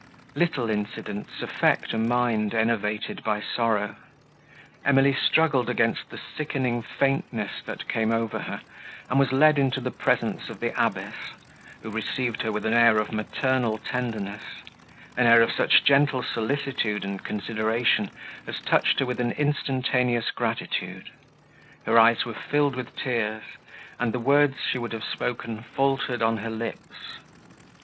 Little incidents affect a mind, enervated by sorrow; Emily struggled against the sickening faintness, that came over her, and was led into the presence of the abbess, who received her with an air of maternal tenderness; an air of such gentle solicitude and consideration, as touched her with an instantaneous gratitude; her eyes were filled with tears, and the words she would have spoken faltered on her lips.